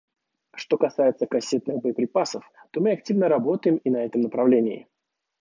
Что касается кассетных боеприпасов, то мы активно работаем и на этом направлении.